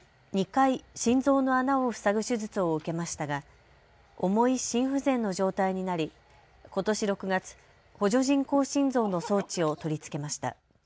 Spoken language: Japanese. ２回、心臓の穴を塞ぐ手術を受けましたが、重い心不全の状態になりことし６月、補助人工心臓の装置を取り付けました。